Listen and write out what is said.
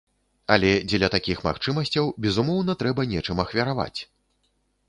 Але дзеля такіх магчымасцяў, безумоўна, трэба нечым ахвяраваць.